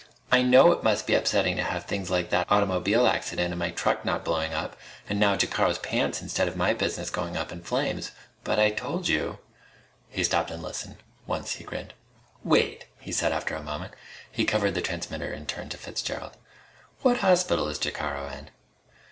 I know it must be upsetting to have things like that automobile accident and my truck not blowing up and now Jacaro's pants instead of my business going up in flames. But I told you " He stopped and listened. Once he grinned. "Wait!" he said after a moment. He covered the transmitter and turned to Fitzgerald. "What hospital is Jacaro in?"